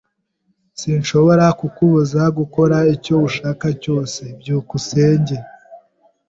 S S [S] Sinshobora kukubuza gukora icyo ushaka cyose. byukusenge